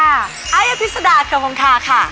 ไอ้อภิษฎาเกราะพงฆาค่ะ